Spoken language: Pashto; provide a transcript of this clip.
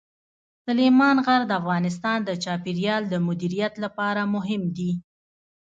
سلیمان غر د افغانستان د چاپیریال د مدیریت لپاره مهم دي.